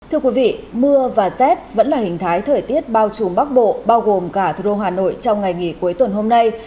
thưa quý vị mưa và rét vẫn là hình thái thời tiết bao trùm bắc bộ bao gồm cả thủ đô hà nội trong ngày nghỉ cuối tuần hôm nay